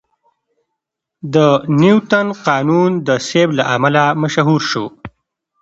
د نیوتن قانون د سیب له امله مشهور شو.